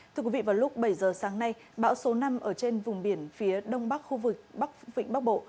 thưa quý vị vào lúc bảy giờ sáng nay bão số năm ở trên vùng biển phía đông bắc khu vực bắc vịnh bắc bộ